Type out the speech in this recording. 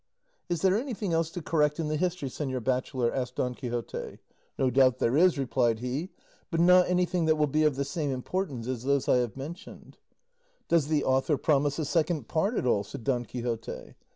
"Is there anything else to correct in the history, señor bachelor?" asked Don Quixote. "No doubt there is," replied he; "but not anything that will be of the same importance as those I have mentioned." "Does the author promise a second part at all?" said Don Quixote.